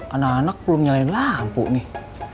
anak anak belum nyalain lampu nih